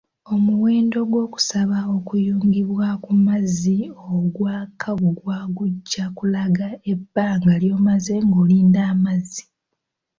Omuwendo gw'okusaba okuyungibwa ku mazzi ogwakaggwa gujja kulaga ebbanga ly'omaze ng'olinda amazzi.